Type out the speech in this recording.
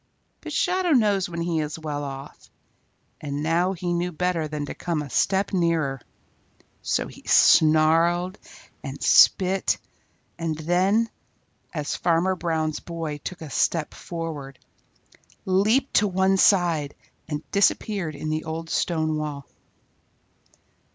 But Shadow knows when he is well off, and now he knew better than to come a step nearer. So he snarled and spit, and then, as Farmer Brown's boy took a step forward, leaped to one side and disappeared in the old stone wall.